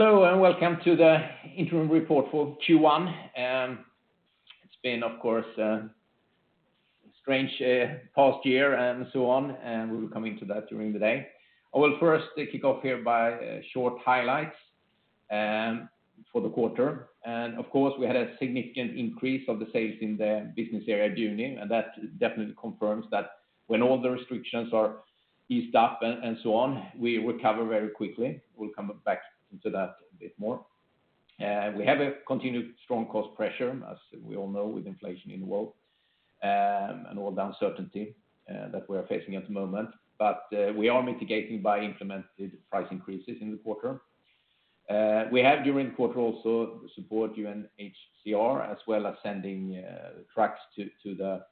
Hello, and welcome to the interim report for Q1. It's been, of course, a strange past year and so on, and we will come into that during the day. I will first kick off here by short highlights for the quarter. Of course, we had a significant increase of the sales in the business area during, and that definitely confirms that when all the restrictions are eased up and so on, we recover very quickly. We'll come back to that a bit more. We have a continued strong cost pressure, as we all know, with inflation in the world, and all the uncertainty that we are facing at the moment. We are mitigating by implemented price increases in the quarter. We have during the quarter also support UNHCR, as well as sending trucks to the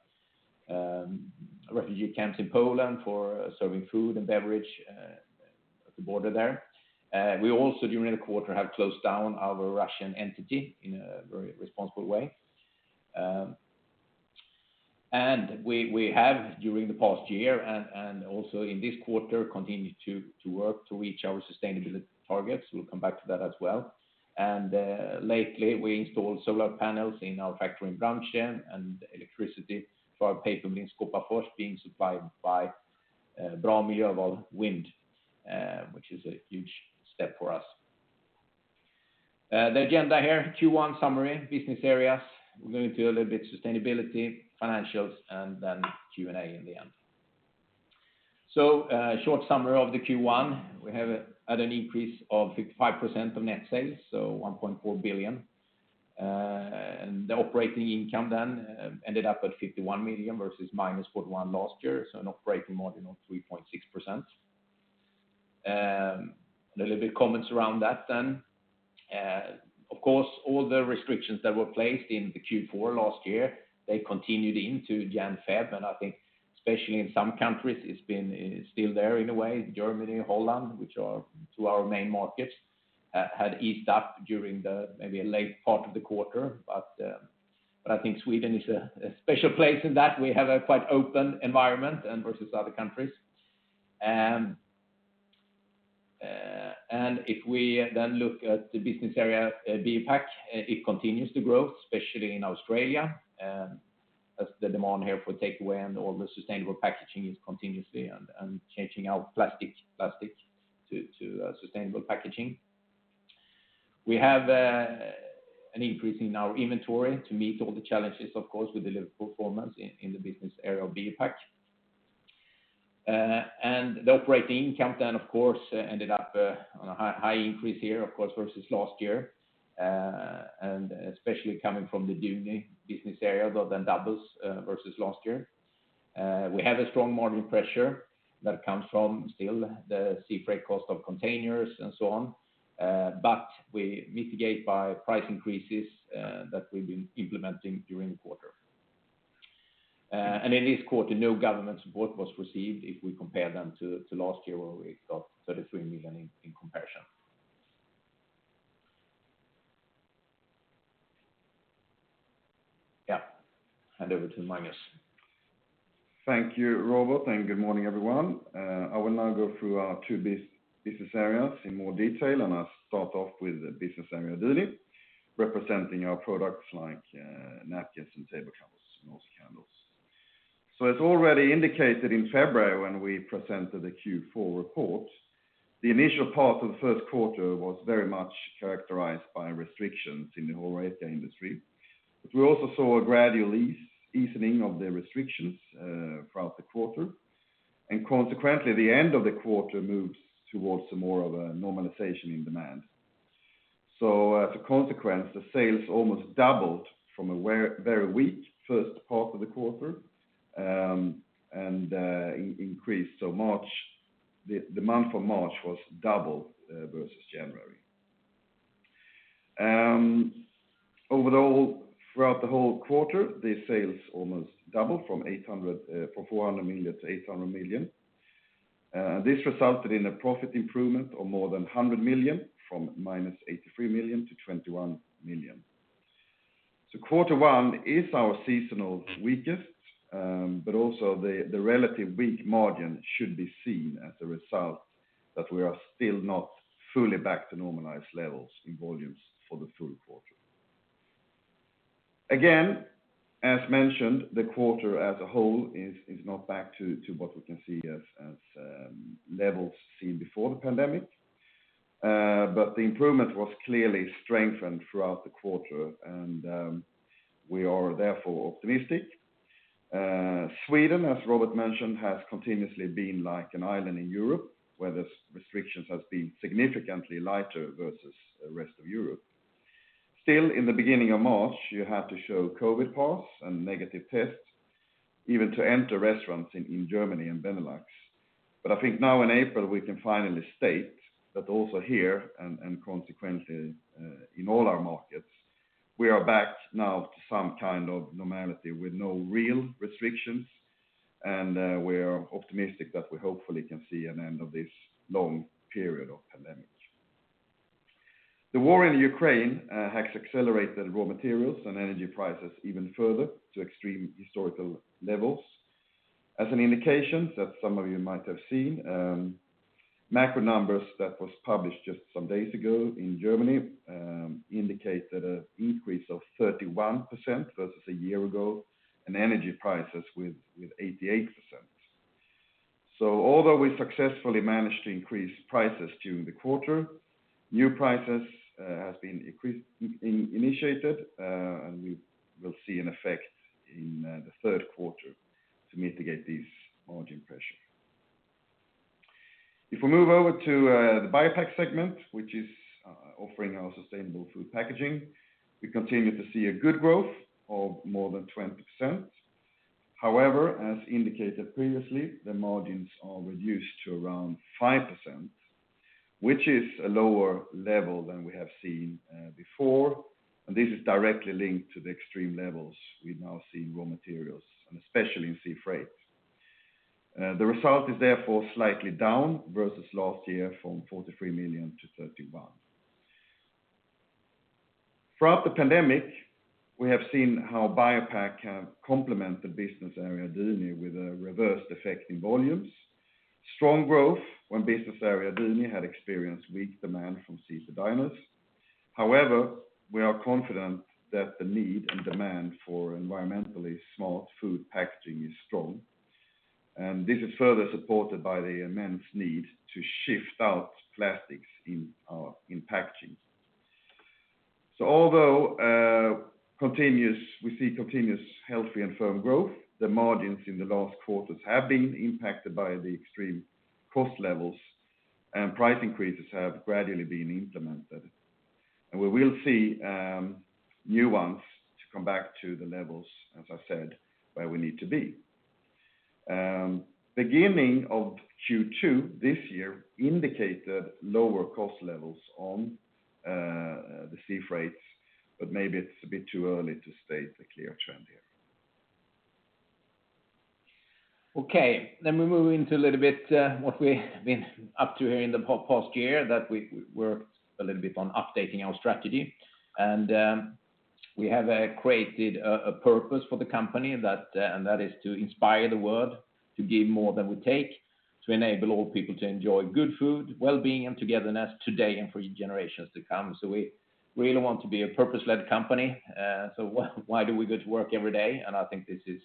refugee camps in Poland for serving food and beverage at the border there. We also during the quarter have closed down our Russian entity in a very responsible way. We have during the past year and also in this quarter continued to work to reach our sustainability targets. We'll come back to that as well. Lately, we installed solar panels in our factory in Brämhult and electricity for our paper mill in Skoghall being supplied by Bra Miljöval wind, which is a huge step for us. The agenda here, Q1 summary, business areas. We're going through a little bit sustainability, financials, and then Q&A in the end. Short summary of the Q1, we have had an increase of 55% of net sales, so 1.4 billion. The operating income then ended up at 51 million versus -0.1 last year, so an operating margin of 3.6%. A little bit comments around that then. Of course, all the restrictions that were placed in the Q4 last year, they continued into January, February, and I think especially in some countries, it's been still there in a way, Germany, Holland, which are two of our main markets, had eased up during the maybe late part of the quarter. I think Sweden is a special place in that we have a quite open environment and versus other countries. If we then look at the business area, BioPak, it continues to grow, especially in Australia, as the demand here for takeaway and all the sustainable packaging is continuously and changing out plastic to sustainable packaging. We have an increase in our inventory to meet all the challenges of course, with the low performance in the business area of BioPak. The operating income then of course ended up on a high increase here, of course, versus last year, and especially coming from the Duni business area, that then doubles versus last year. We have a strong margin pressure that comes from still the sea freight cost of containers and so on, but we mitigate by price increases that we've been implementing during the quarter. In this quarter, no government support was received if we compare them to last year where we got 33 million in comparison. Yeah. Hand over to Magnus. Thank you, Robert, and good morning, everyone. I will now go through our two business areas in more detail, and I'll start off with the business area Duni, representing our products like napkins and table covers and also candles. As already indicated in February when we presented the Q4 report, the initial part of the first quarter was very much characterized by restrictions in the whole retail industry. We also saw a gradual easing of the restrictions throughout the quarter. Consequently, the end of the quarter moves towards more of a normalization in demand. As a consequence, the sales almost doubled from a very weak first part of the quarter and increased. March, the month of March, was double versus January. Overall, throughout the whole quarter, the sales almost doubled from 400 million-800 million. This resulted in a profit improvement of more than 100 million, from -83 million-21 million. Quarter one is our seasonal weakest, but also the relative weak margin should be seen as a result that we are still not fully back to normalized levels in volumes for the full quarter. Again, as mentioned, the quarter as a whole is not back to what we can see as levels seen before the pandemic, but the improvement was clearly strengthened throughout the quarter, and we are therefore optimistic. Sweden, as Robert mentioned, has continuously been like an island in Europe, where the restrictions has been significantly lighter versus the rest of Europe. Still, in the beginning of March, you had to show COVID pass and negative tests even to enter restaurants in Germany and Benelux. I think now in April, we can finally state that also here and consequently in all our markets, we are back now to some kind of normality with no real restrictions, and we are optimistic that we hopefully can see an end of this long period of pandemic. The war in Ukraine has accelerated raw materials and energy prices even further to extreme historical levels. As an indication that some of you might have seen, macro numbers that was published just some days ago in Germany indicate that an increase of 31% versus a year ago, and energy prices with 88%. Although we successfully managed to increase prices during the quarter, new prices has been initiated, and we will see an effect in the third quarter to mitigate these margin pressure. If we move over to the BioPak segment, which is offering our sustainable food packaging, we continue to see a good growth of more than 20%. However, as indicated previously, the margins are reduced to around 5%, which is a lower level than we have seen before. This is directly linked to the extreme levels we now see in raw materials, and especially in sea freight. The result is therefore slightly down versus last year from 43 million-31 million. Throughout the pandemic, we have seen how BioPak have complemented business area Duni with a reversed effect in volumes. Strong growth when business area Duni had experienced weak demand from seated diners. However, we are confident that the need and demand for environmentally smart food packaging is strong. This is further supported by the immense need to shift out plastics in packaging. Although we see continuous healthy and firm growth, the margins in the last quarters have been impacted by the extreme cost levels, and price increases have gradually been implemented. We will see new ones to come back to the levels, as I said, where we need to be. Beginning of Q2 this year indicated lower cost levels on the sea freights, but maybe it's a bit too early to state the clear trend here. Okay, we move into a little bit what we've been up to here in the past year, that we worked a little bit on updating our strategy. We have created a purpose for the company that is to inspire the world to give more than we take, to enable all people to enjoy good food, wellbeing, and togetherness today and for generations to come. We really want to be a purpose-led company. Why do we go to work every day? I think it's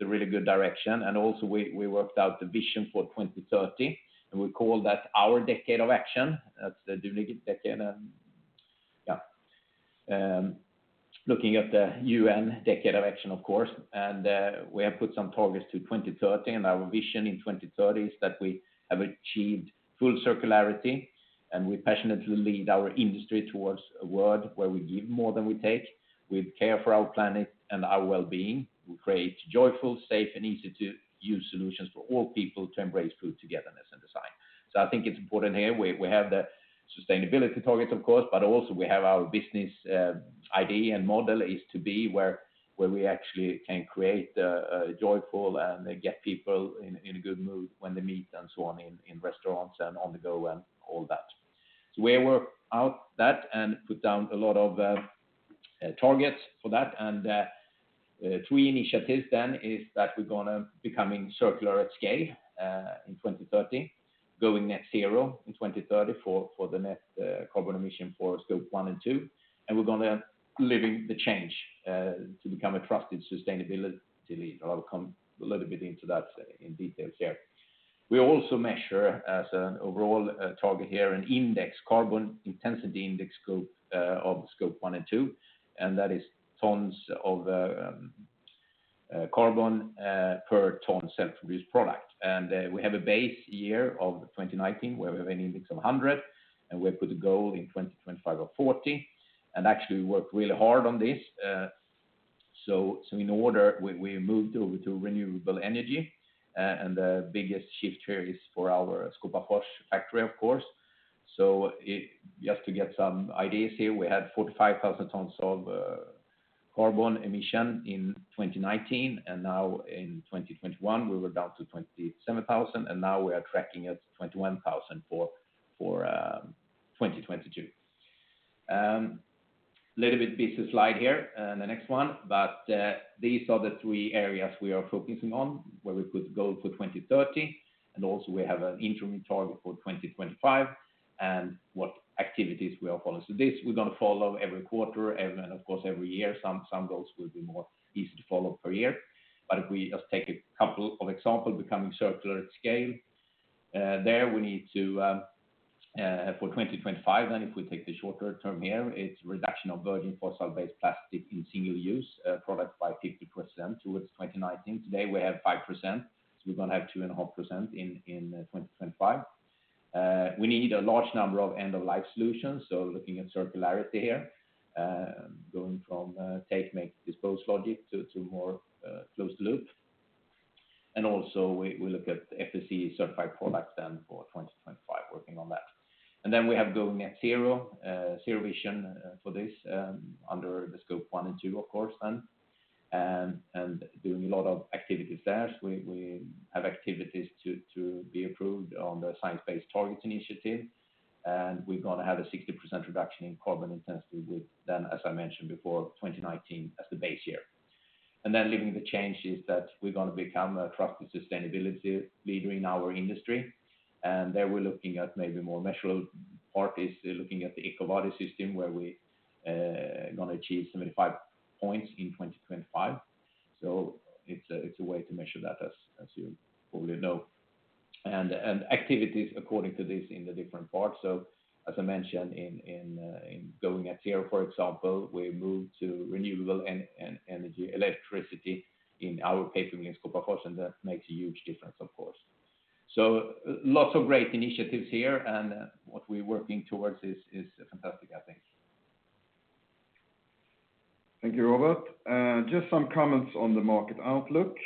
a really good direction. We also worked out the vision for 2030, and we call that our decade of action. That's the Duni Decade, yeah. Looking at the UN Decade of Action, of course, and we have put some targets to 2030, and our vision in 2030 is that we have achieved full circularity, and we passionately lead our industry towards a world where we give more than we take. We care for our planet and our wellbeing. We create joyful, safe, and easy to use solutions for all people to embrace food togetherness and design. I think it's important here, we have the sustainability targets, of course, but also we have our business idea, and model is to be where we actually can create a joyful and get people in a good mood when they meet and so on in restaurants and on the go and all that. We work out that and put down a lot of targets for that. Three initiatives then is that we're gonna becoming circular at scale in 2030, going net zero in 2030 for the net carbon emission for Scope 1 and 2. We're gonna living the change to become a trusted sustainability. I'll come a little bit into that in details here. We also measure as an overall target here an index carbon intensity index scope of Scope 1 and 2, and that is tons of carbon per ton self-produced product. We have a base year of 2019, where we have an index of 100, and we put a goal in 2025 of 40. Actually, we worked really hard on this. In order, we moved over to renewable energy, and the biggest shift here is for our Skåpafors factory, of course. Just to get some ideas here, we had 45,000 tons of carbon emissions in 2019, and now in 2021, we were down to 27,000, and now we are tracking at 21,000 for 2022. Little bit busy slide here, the next one. These are the three areas we are focusing on, where we put goal for 2030, and also we have an interim target for 2025, and what activities we are following. This, we're gonna follow every quarter and of course every year, some goals will be more easy to follow per year. If we just take a couple of examples, becoming circular at scale, there we need to for 2025, and if we take the shorter term here, it's reduction of virgin fossil-based plastic in single use product by 50% towards 2019. Today, we have 5%, so we're gonna have 2.5% in 2025. We need a large number of end-of-life solutions, so looking at circularity here, going from take, make, dispose logic to more closed loop. We also look at FSC certified products then for 2025, working on that. Then we have going at zero zero vision for this under the Scope 1 and 2, of course, doing a lot of activities there. We have activities to be approved on the Science Based Targets initiative, and we're gonna have a 60% reduction in carbon intensity within, as I mentioned before, 2019 as the base year. Then leading the change is that we're gonna become a trusted sustainability leader in our industry, and there we're looking at maybe more measurable part is looking at the EcoVadis system where we're gonna achieve 75 points in 2025. It's a way to measure that as you probably know. Activities according to this in the different parts. As I mentioned in going ahead here, for example, we move to renewable electricity in our paper mill in Skoghall, and that makes a huge difference of course. Lots of great initiatives here and what we're working towards is fantastic, I think. Thank you, Robert. Just some comments on the market outlook.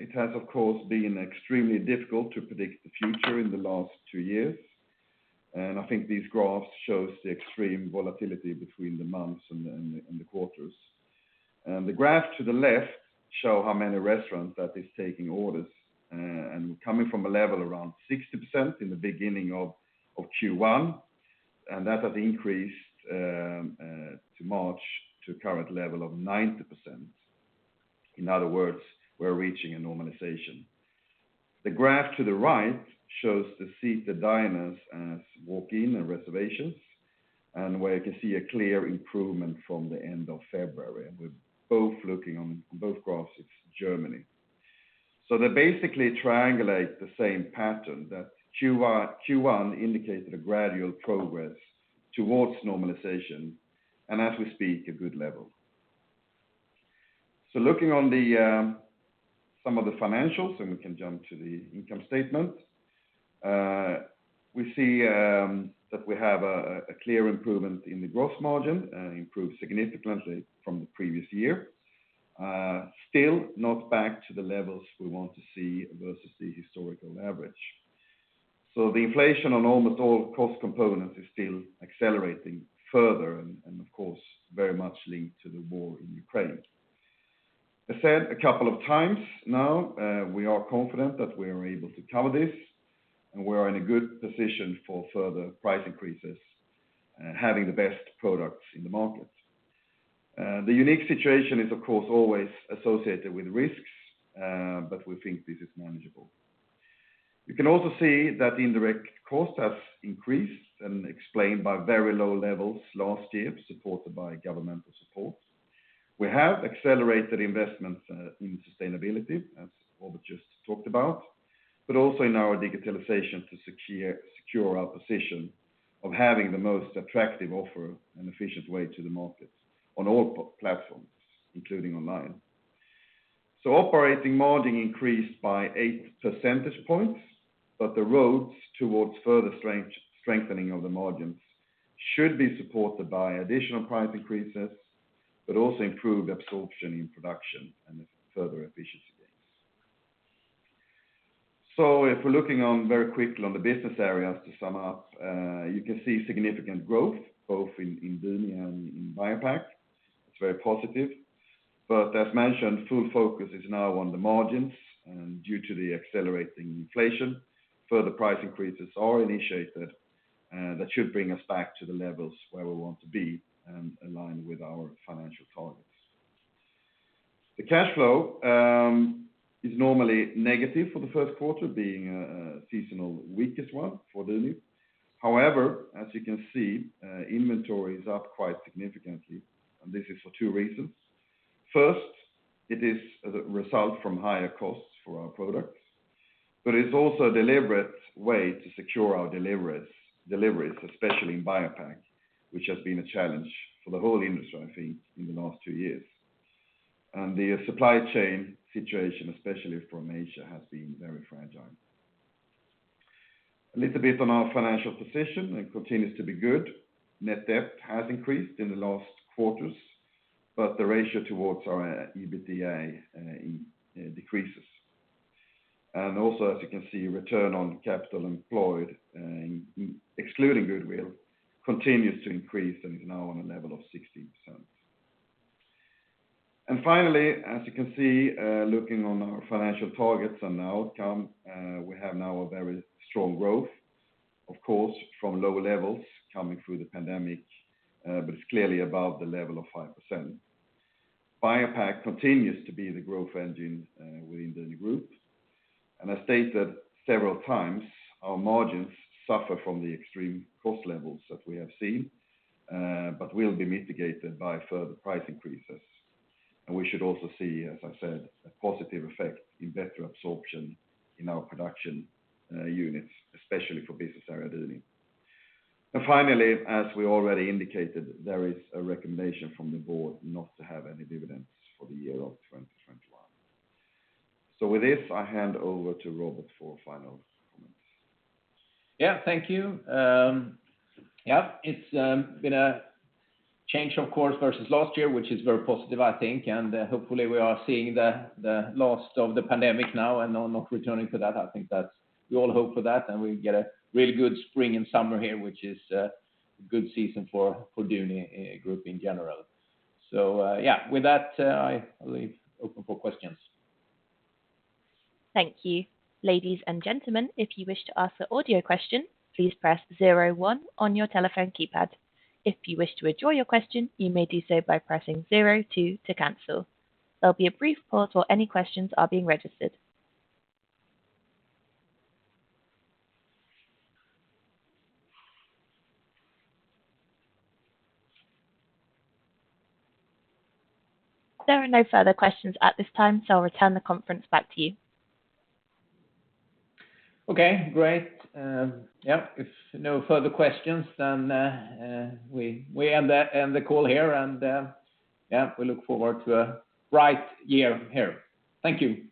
It has of course been extremely difficult to predict the future in the last two years, and I think these graphs shows the extreme volatility between the months and the quarters. The graph to the left show how many restaurants that is taking orders, and coming from a level around 60% in the beginning of Q1, and that has increased to March to current level of 90%. In other words, we're reaching a normalization. The graph to the right shows the seated diners as walk in and reservations, and where you can see a clear improvement from the end of February. We're both looking on both graphs, it's Germany. They basically triangulate the same pattern that Q1 indicated a gradual progress towards normalization, and as we speak, a good level. Looking at some of the financials, we can jump to the income statement. We see that we have a clear improvement in the gross margin, improved significantly from the previous year. Still not back to the levels we want to see versus the historical average. The inflation on almost all cost components is still accelerating further and, of course, very much linked to the war in Ukraine. I said a couple of times now, we are confident that we are able to cover this and we're in a good position for further price increases, having the best products in the market. The unique situation is of course always associated with risks, but we think this is manageable. You can also see that the indirect cost has increased and explained by very low levels last year, supported by governmental support. We have accelerated investments in sustainability as Robert just talked about, but also in our digitalization to secure our position of having the most attractive offer and efficient way to the market on all platforms, including online. Operating margin increased by 8 percentage points, but the roads towards further strengthening of the margins should be supported by additional price increases, but also improved absorption in production and further efficiency gains. If we're looking on very quickly on the business areas to sum up, you can see significant growth both in Duni and in BioPak. It's very positive, but as mentioned, full focus is now on the margins and due to the accelerating inflation, further price increases are initiated that should bring us back to the levels where we want to be and align with our financial targets. The cash flow is normally negative for the first quarter being a seasonal weakest one for Duni. However, as you can see, inventory is up quite significantly, and this is for two reasons. First, it is the result from higher costs for our products, but it's also a deliberate way to secure our deliveries, especially in BioPak, which has been a challenge for the whole industry, I think, in the last two years. The supply chain situation, especially from Asia, has been very fragile. A little bit on our financial position, it continues to be good. Net debt has increased in the last quarters, but the ratio towards our EBITDA decreases. Also, as you can see, return on capital employed, excluding goodwill, continues to increase and is now on a level of 16%. Finally, as you can see, looking on our financial targets and the outcome, we have now a very strong growth, of course, from lower levels coming through the pandemic, but it's clearly above the level of 5%. BioPak continues to be the growth engine within Duni Group. I state that several times our margins suffer from the extreme cost levels that we have seen, but will be mitigated by further price increases. We should also see, as I said, a positive effect in better absorption in our production units, especially for Business Area Duni. Finally, as we already indicated, there is a recommendation from the board not to have any dividends for the year of 2021. With this, I hand over to Robert for final comments. Yeah. Thank you. Yeah. It's been a change of course, versus last year, which is very positive, I think. Hopefully we are seeing the last of the pandemic now and not returning to that. I think that's. We all hope for that and we get a really good spring and summer here, which is a good season for Duni Group in general. Yeah. With that, I leave open for questions. Thank you. Ladies and gentlemen, if you wish to ask for audio question, please press zero one on your telephone keypad. If you wish to withdraw your question, you may do so by pressing zero two to cancel. There'll be a brief pause while any questions are being registered. There are no further questions at this time, so I'll return the conference back to you. Okay, great. Yeah. If no further questions then, we end the call here and, yeah, we look forward to a bright year here. Thank you.